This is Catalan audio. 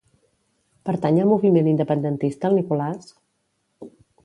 Pertany al moviment independentista el Nicolas?